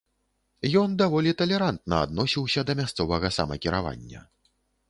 Ён даволі талерантна адносіўся да мясцовага самакіравання.